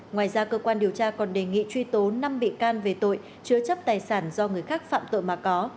ngoài ra cơ quan điều tra còn đề nghị truy tố năm bị can về tội chứa chấp tài sản do người khác phạm tội mà có